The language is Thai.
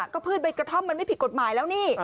ก็พืชใบกระท่อมมันไม่ผิดกฎหมายแล้วนี่